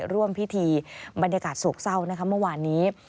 ร่วมพิธีบรรยากาศโศกเศร้านะคะเมื่อวานนี้